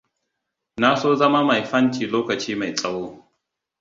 Na so zama mai fanti lokaci mai tsaho.